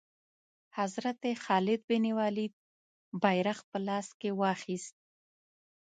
حضرت خالد بن ولید بیرغ په لاس کې واخیست.